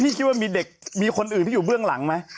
คิดว่ามีเด็กมีคนอื่นที่อยู่เบื้องหลังไหม